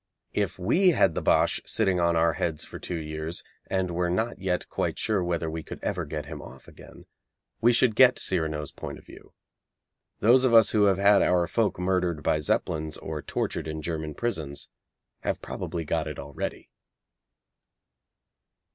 If we had the Boche sitting on our heads for two years, and were not yet quite sure whether we could ever get him off again, we should get Cyrano's point of view. Those of us who have had our folk murdered by Zeppelins or tortured in German prisons have probably got it already.